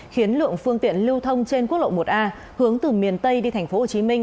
khiến lượng phương tiện lưu thông trên quốc lộ một a hướng từ miền tây đi thành phố hồ chí minh